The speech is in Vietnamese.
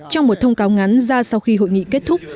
trong một thông cáo ngắn ra sau khi hội nghị kết thúc